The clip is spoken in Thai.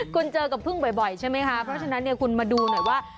คุณเจอกับพึ่งบ่อยใช่ไหมคะเพราะฉะนั้นเนี่ยคุณมาดูหน่อยว่า